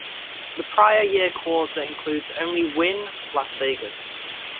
The prior year quarter includes only Wynn Las Vegas.